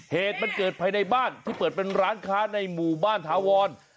เหตุมันเกิดภายในบ้านที่เปิดเป็นร้านค้าในหมู่บ้านถาวร